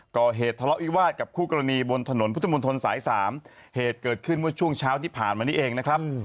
ก่อเหตุทะเลาะวิวาสกับคู่กรณีบนถนนพุทธมนตรสาย๓เหตุเกิดขึ้นเมื่อช่วงเช้าที่ผ่านมานี้เองนะครับ